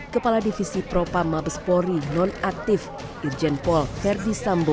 kepala divisi propa mabespori non aktif irjen pol verdi sambo